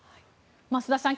増田さん